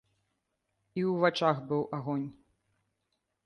І ў вачах быў агонь.